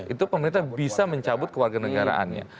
itu pemerintah bisa mencabut kewarganegaraannya